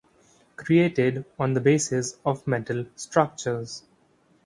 Created on the basis of metal structures.